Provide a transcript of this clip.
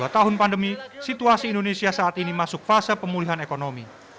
dua tahun pandemi situasi indonesia saat ini masuk fase pemulihan ekonomi